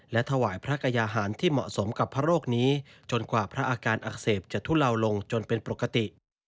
และถวายพระกายาหารที่เหมาะสมกับพระโรคนี้จนกว่าพระอาการอักเสบจะทุเลาลงจนเป็นปกติ